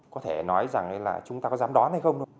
có thể nói rằng là chúng ta có dám đón hay không thôi